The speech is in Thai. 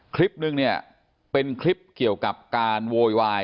คลิปนึงเนี่ยเป็นคลิปเกี่ยวกับการโวยวาย